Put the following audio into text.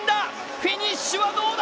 フィニッシュはどうか？